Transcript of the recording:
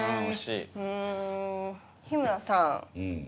うん日村さん。